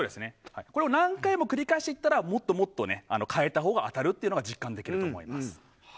これを何回も繰り返していったらもっともっと変えたほうが当たるということが実感できると思います。